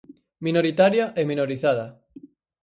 Minoritaria e minorizada.